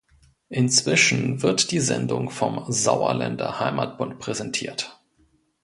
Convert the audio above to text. Inzwischen wird die Sendung vom Sauerländer Heimatbund präsentiert.